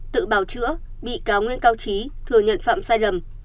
tự báo chữa bị cảo nguyễn cao trí thừa nhận phạm sai lầm